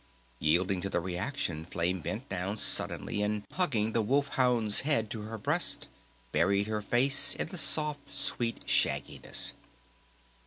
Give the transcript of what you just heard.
Yielding to the reaction Flame bent down suddenly and hugging the Wolf Hound's head to her breast buried her face in the soft, sweet shagginess.